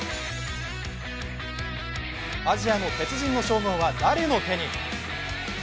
アジアの鉄人の称号は、誰の手に。